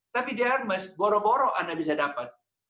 tapi di hermes barang barang anda bisa dapat